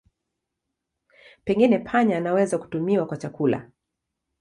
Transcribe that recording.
Pengine panya wanaweza kutumiwa kwa chakula.